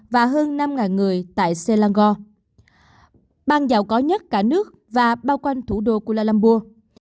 và hơn năm người tại selangor bang giàu có nhất cả nước và bao quanh thủ đô kuala lumburg